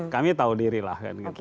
kami tahu diri lah